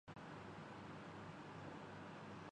میرے جوتے پالش کروا دیجئے